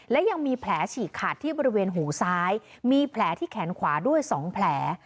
และยังมีแผลฉีกขาดที่บริเวณหูซ้ายมีแผลที่แขนขวาด้วย๒แผล